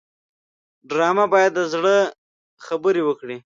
ډرامه باید د زړه خبرې وکړي